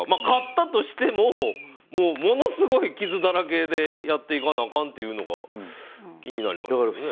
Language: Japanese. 勝ったとしてもものすごい傷だらけでやっていかなあかんというのが気になりますよね。